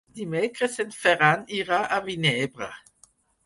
Dimecres en Ferran irà a Vinebre.